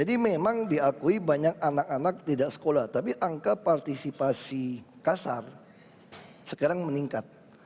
memang diakui banyak anak anak tidak sekolah tapi angka partisipasi kasar sekarang meningkat